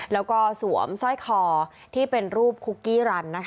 แล้วก็สวมสร้อยคอที่เป็นรูปคุกกี้รัน